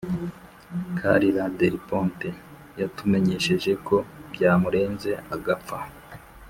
carla del ponte yatumenyesheje ko byamurenze agapfa